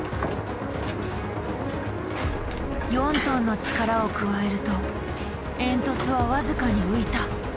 ４ｔの力を加えると煙突は僅かに浮いた。